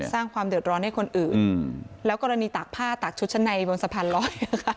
สร้างความเดือดร้อนให้คนอื่นแล้วกรณีตากผ้าตากชุดชั้นในบนสะพานลอย